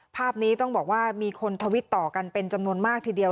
ภาพนี้ต้องบอกว่ามีคนทวิตต่อกันเป็นจำนวนมากทีเดียว